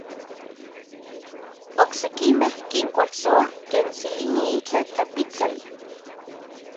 Oksekimej kinkuejsoa ken tsilini itlaj tlapitsali.